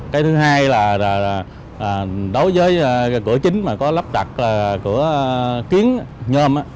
cái thứ hai là đối với cửa chính mà có lắp đặt cửa kiến nhôm